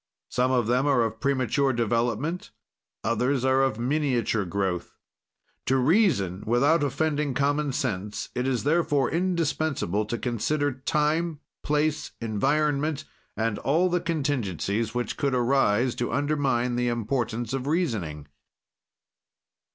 "Some of them are of premature development; others are of miniature growth. "To reason without offending common sense, it is, therefore, indispensable to consider time, place, environment, and all the contingencies which could arise to undermine the importance of reasoning."